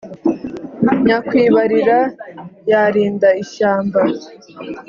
nyakwibarira yarinda ishyamba.